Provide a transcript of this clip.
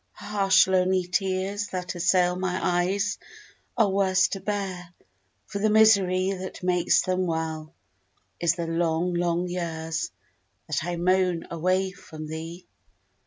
Harsh lonely tears That assail my eyes Are worse to bear, For the misery That makes them well Is the long, long years That I moan away from thee!